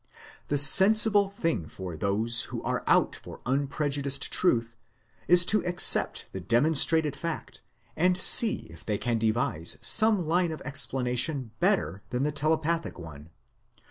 The sensible thing for 1 Life, p. 446. Psychic Science 577 those who are out for unprejudiced truth is to accept the demon strated fact and see if they can devise some line of explanation better than the telepathic one.